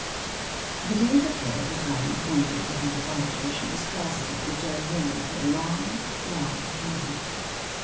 The day before the time appointed for her departure she was closeted with Jo Haley for a long, long time.